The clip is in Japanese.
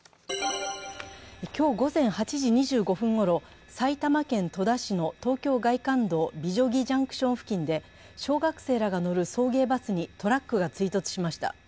今日午前８時２５分ごろ、埼玉県戸田市の東京外環道美女木ジャンクション付近で小学生らが乗る送迎バスにトラックが追突しました。